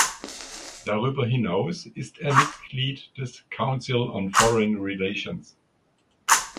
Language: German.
Darüber hinaus ist er Mitglied des Council on Foreign Relations.